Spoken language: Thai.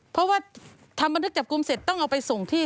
เพราะว่าทำบันทึกจับกลุ่มเสร็จต้องเอาไปส่งที่